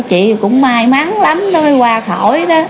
chị thì cũng may mắn lắm nó mới qua khỏi đó